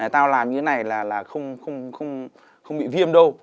tao làm như này là không bị viêm đâu